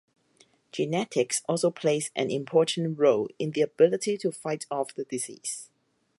Genetics also plays an important role in the ability to fight off the disease.